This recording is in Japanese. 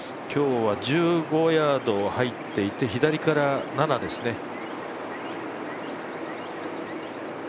今日は１５ヤード入っていて左から７ですね。